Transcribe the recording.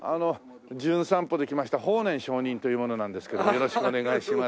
『じゅん散歩』で来ました法然上人という者なんですけどもよろしくお願いします。